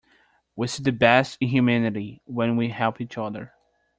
We see the best in humanity when we help each other.